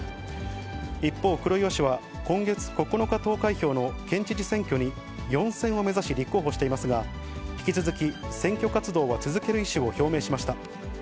一方、黒岩氏は、今月９日投開票の県知事選挙に４選を目指し立候補していますが、引き続き選挙活動は続ける意思を表明しました。